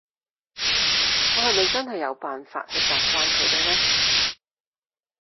我係咪真係有辦法去習慣佢哋呢？